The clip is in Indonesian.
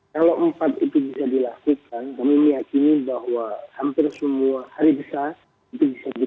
kalau empat itu bisa dilakukan kami meyakini bahwa hampir semua hari besar itu bisa